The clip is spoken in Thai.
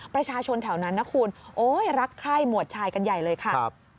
ประชาชนแถวนั้นนะคุณโอ๊ยรักใคร่หมวดชายกันใหญ่เลยค่ะ